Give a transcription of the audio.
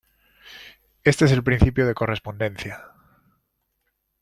Este es el principio de correspondencia.